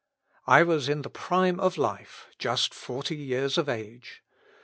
I was in the prime of life, just forty years of age.